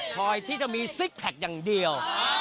ที่จะมีซิกแพคอย่างเดียว